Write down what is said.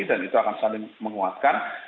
dan itu akan saling menguatkan